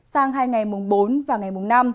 sang hai ngày mùng bốn và ngày mùng năm